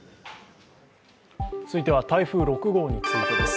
続いては台風６号についてです。